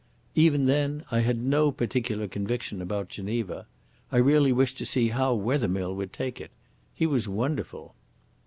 Even then I had no particular conviction about Geneva. I really wished to see how Wethermill would take it. He was wonderful."